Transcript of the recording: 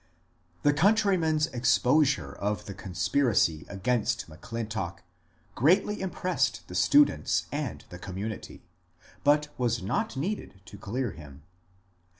The countryman's exposure of . the conspiracy against M'Clintock greatly impressed the students and the community, but was not needed to clear him.